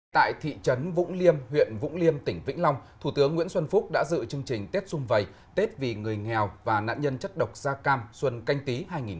tại thị trấn vũng liêm huyện vũng liêm tỉnh vĩnh long thủ tướng nguyễn xuân phúc đã dự chương trình tết xung vầy tết vì người nghèo và nạn nhân chất độc da cam xuân canh tí hai nghìn hai mươi